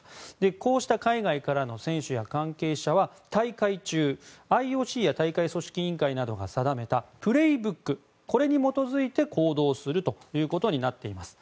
こうした海外からの選手や関係者は大会中、ＩＯＣや大会組織委員会が定めた「プレイブック」に基づいて行動することになっています。